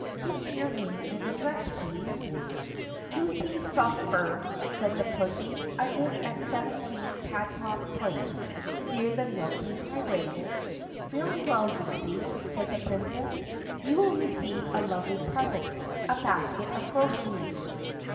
"Give me your name and address, please." "Lucy Softfurr," said the pussy. "I live at 17 Padded paw Place near the Milky Highway." "Very well, Lucy," said the Princess. "You will receive a lovely present — a basket of groceries."